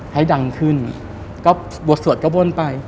ให้ดังขึ้นก็บวดสวดเข้าบนไป